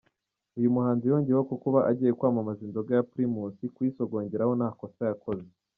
Uyu muhanzi yongeyeho ko kuba agiye kwamamaza inzoga ya Primus kuyisogongeraho ntakosa yakoze.